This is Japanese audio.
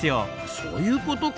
そういうことか！